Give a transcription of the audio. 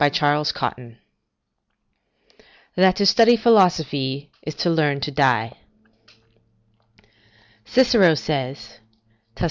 CHAPTER XIX THAT TO STUDY PHILOSOPY IS TO LEARN TO DIE Cicero says [Tusc.